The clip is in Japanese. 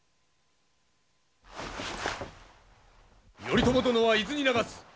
頼朝殿は伊豆に流す。